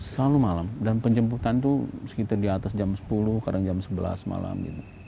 selalu malam dan penjemputan itu sekitar di atas jam sepuluh kadang jam sebelas malam